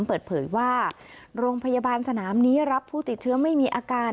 เปิดเผยว่าโรงพยาบาลสนามนี้รับผู้ติดเชื้อไม่มีอาการ